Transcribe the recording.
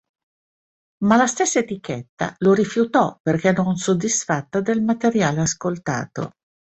Ma la stessa etichetta lo rifiutò perché non soddisfatta del materiale ascoltato.